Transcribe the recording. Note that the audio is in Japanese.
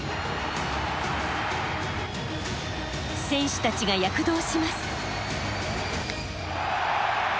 選手たちが躍動します。